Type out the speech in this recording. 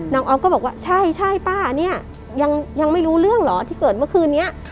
ออฟก็บอกว่าใช่ป้าเนี่ยยังไม่รู้เรื่องเหรอที่เกิดเมื่อคืนนี้